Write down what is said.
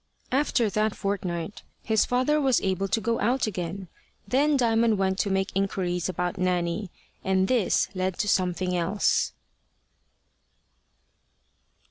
After that fortnight, his father was able to go out again. Then Diamond went to make inquiries about Nanny, and this led to something else.